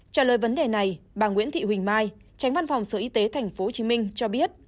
trả lời vấn đề này bà nguyễn thị huỳnh mai tránh văn phòng sở y tế tp hcm cho biết